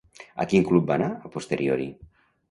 A quin club va anar, a posteriori?